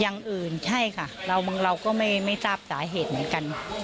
อย่างอื่นใช่ค่ะเราก็ไม่ทราบสาเหตุเหมือนกัน